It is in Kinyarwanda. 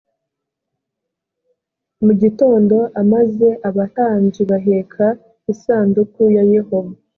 mugitondo amaze abatambyi baheka isanduku ya yehova